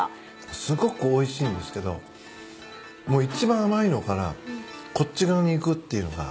すごくおいしいんですけどもう一番甘いのからこっち側に行くっていうのが。